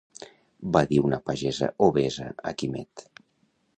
—va dir una pagesa obesa a Quimet